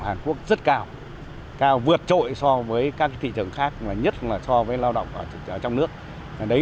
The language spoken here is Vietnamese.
hàn quốc rất cao cao vượt trội so với các thị trường khác nhất là so với lao động trong nước đấy